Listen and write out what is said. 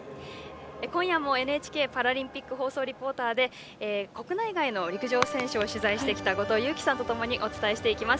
今夜もＮＨＫパラリンピック放送リポーターで国内外の陸上選手を取材してきた後藤佑季さんとともにお伝えしていきます。